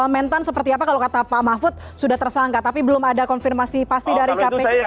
mentan seperti apa kalau kata pak mahfud sudah tersangka tapi belum ada konfirmasi pasti dari kpk